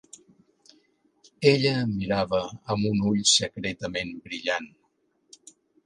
Ella mirava amb un ull secretament brillant.